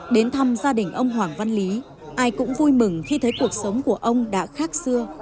đến thăm gia đình ông hoàng văn lý ai cũng vui mừng khi thấy cuộc sống của ông đã khác xưa